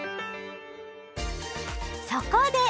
そこで！